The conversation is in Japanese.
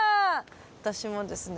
私もですね